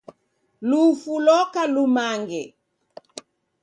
Lufu loka lumange